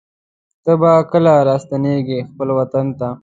ته به کله راستنېږې خپل وطن ته